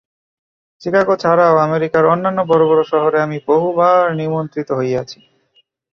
চিকাগো ছাড়াও আমেরিকার অন্যান্য বড় বড় শহরে আমি বহুবার নিমন্ত্রিত হইয়াছি।